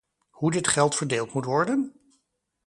Hoe dit geld verdeeld moet worden?